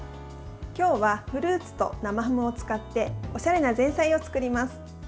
今日はフルーツと生ハムを使っておしゃれな前菜を作ります。